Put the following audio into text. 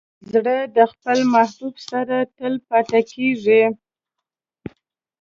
زړه د خپل محبوب سره تل پاتې کېږي.